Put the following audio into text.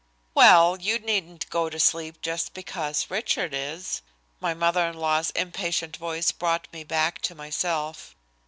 "Well, you needn't go to sleep just because Richard is." My mother in law's impatient voice brought me back to myself.